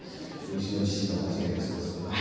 うちの父が間違いなくそうですわな。